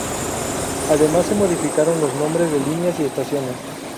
Además se modificaron los nombres de líneas y estaciones.